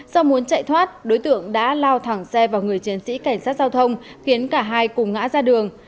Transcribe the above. do muốn chạy thoát đối tượng đã lao thẳng xe vào người chiến sĩ cảnh sát giao thông khiến cả hai cùng ngã ra đường